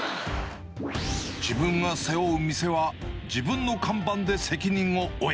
自分が背負う店は、自分の看板で責任を負え。